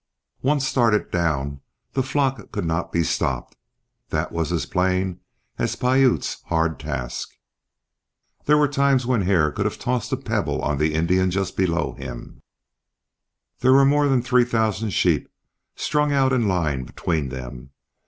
Once started down the flock could not be stopped, that was as plain as Piute's hard task. There were times when Hare could have tossed a pebble on the Indian just below him, yet there were more than three thousand sheep, strung out in line between them.